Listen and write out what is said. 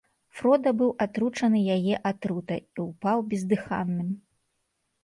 Фрода быў атручаны яе атрутай і ўпаў бездыханным.